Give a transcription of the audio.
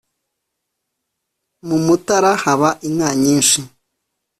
Mu mutara haba inka nyinshi